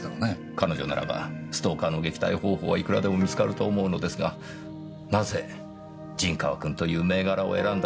彼女ならばストーカーの撃退方法はいくらでも見つかると思うのですがなぜ陣川君という銘柄を選んだのでしょうねぇ。